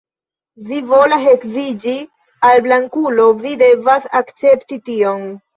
Vi volas edziĝi al blankulo, vi devas akcepti tion.